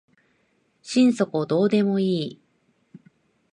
心底どうでもいい